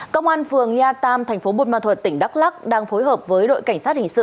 công an phường nha tam tp bụt ma thuật tỉnh đắk lắc đang phối hợp với đội cảnh sát hình sự